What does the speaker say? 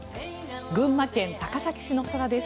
群馬県高崎市の空です。